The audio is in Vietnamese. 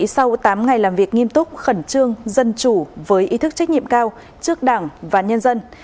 sau tám ngày làm việc nghiêm túc khẩn trương dân chủ với ý thức trách nhiệm cao trước đảng và nhân dân